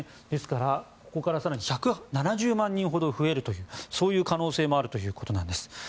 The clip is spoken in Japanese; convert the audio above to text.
ですから、ここから更に１７０万人ほど増えるというそういう可能性もあるということなんです。